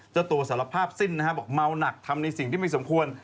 เจ้าตัวสารภาพสิ้นนะฮะบอกเมาหนักทำในสิ่งที่ไม่สมควร